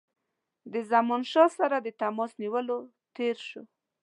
له زمانشاه سره د تماس نیولو تېر شو.